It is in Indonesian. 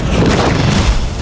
tidak akan sukses